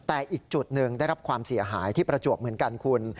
แต่อีกจุดหนึ่งได้รับความเสียหายที่ประจวบเหมือนกันคุณ